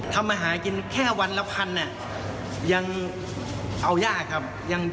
ทำอาหารกินแค่วันละพันยังเอายากครับ